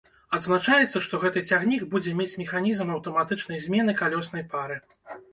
Адзначаецца, што гэты цягнік будзе мець механізм аўтаматычнай змены калёснай пары.